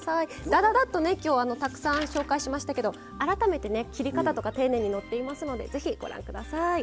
だだだっとね今日たくさん紹介しましたけど改めてね切り方とか丁寧に載っていますので是非ご覧下さい。